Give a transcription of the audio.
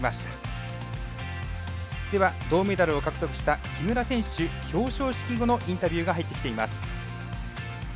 では銅メダルを獲得した木村選手表彰式後のインタビューが入ってきています。